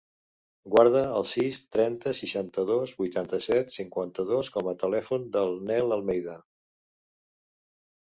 Guarda el sis, trenta, seixanta-dos, vuitanta-set, cinquanta-dos com a telèfon del Nel Almeida.